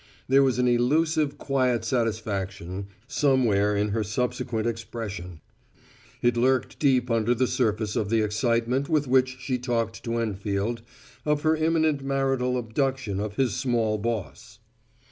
There was an elusive, quiet satisfaction somewhere in her subsequent expression; it lurked deep under the surface of the excitement with which she talked to Enfield of her imminent marital abduction of his small boss.